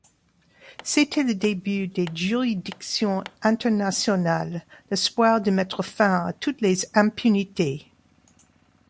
C’était le début des juridictions internationales, l’espoir de mettre fin à toutes les impunités.